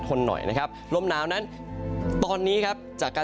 หน่อยนะครับลมหนาวนั้นตอนนี้ครับจากการ